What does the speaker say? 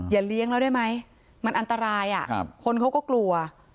เลี้ยงแล้วได้ไหมมันอันตรายคนเขาก็กลัว